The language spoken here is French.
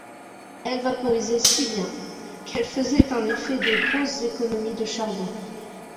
Elle vaporisait si bien, qu'elle faisait en effet de grosses économies de charbon.